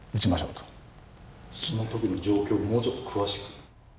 その時の状況をもうちょっと詳しく。